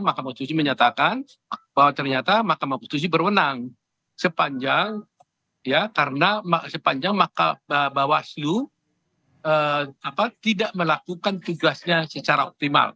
mahkamah konstitusi menyatakan bahwa ternyata mahkamah konstitusi berwenang sepanjang ya karena sepanjang maka bawaslu tidak melakukan tugasnya secara optimal